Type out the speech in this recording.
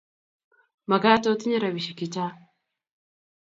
Magat otinye rapisyek chechang'